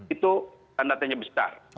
itu standartnya besar